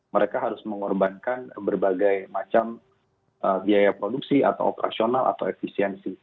mereka harus mengorbankan berbagai macam biaya produksi atau operasional atau efisiensi